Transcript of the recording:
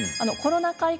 コロナ禍